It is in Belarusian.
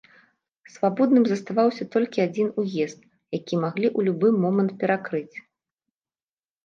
Свабодным заставаўся толькі адзін уезд, які маглі ў любы момант перакрыць.